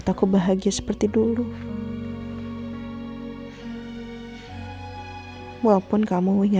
terima kasih pak surya